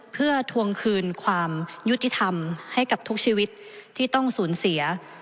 เพื่อทวงคืนความยุติธรรมให้กับทุกชีวิตที่ต้องสูญเสีย